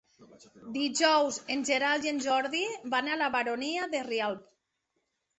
Dijous en Gerard i en Jordi van a la Baronia de Rialb.